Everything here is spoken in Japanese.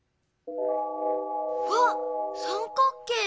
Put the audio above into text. わっ三角形！